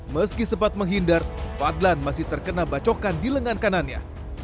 meski sempat menghindar fadlan masih terkena bacokan di lengan kanannya